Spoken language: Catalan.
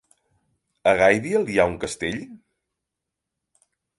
A Gaibiel hi ha un castell?